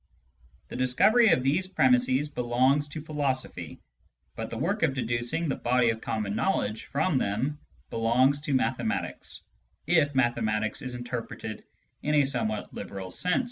The discovery of these premisses belongs to philosophy ; but the work of deducing the body of common knowledge from them belongs to mathematics, if "mathematics" is interpreted in a somewhat liberal sense.